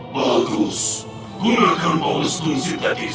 para setia terunda